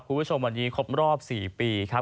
คุณผู้ชมวันนี้ครบรอบ๔ปีครับ